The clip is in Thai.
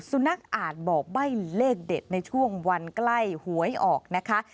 สุนัขอาจบอกใบ้เลขเด็ดในช่วงวันใกล้หวยออกนะคะ